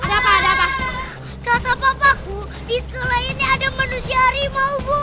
ada apa apa kata papaku di sekolah ini ada manusia rimau bu